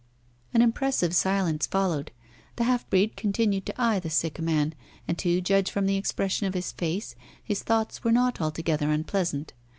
An impressive silence followed. The half breed continued to eye the sick man, and, to judge from the expression of his face, his thoughts were not altogether unpleasant.